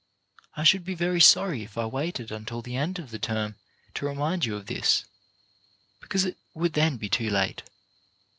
I should be very sorry if I waited until the end of the term to remind you of this, because it would then be too late.